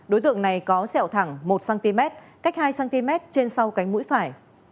đối tượng này có sẹo thẳng một cm cách hai cm trên sau cánh mũi phải